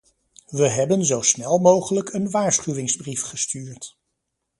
We hebben zo snel mogelijk een waarschuwingsbrief gestuurd.